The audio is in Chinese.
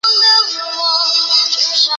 谥号文敏。